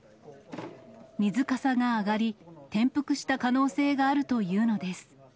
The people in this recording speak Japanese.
水かさが上がり、転覆した可能性があるというのです。